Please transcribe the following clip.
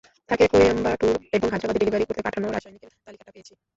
তাকে কোয়েম্বাটুর এবং হায়দ্রাবাদে ডেলিভারি করতে পাঠানো রাসায়নিকের তালিকাটা পেয়েছি।